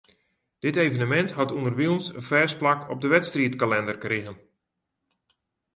Dit evenemint hat ûnderwilens in fêst plak op 'e wedstriidkalinder krigen.